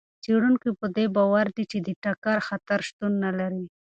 څېړونکي په دې باور دي چې د ټکر خطر شتون نه لري.